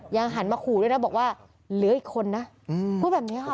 ยังหันมาขู่ด้วยนะบอกว่าเหลืออีกคนนะพูดแบบนี้ค่ะ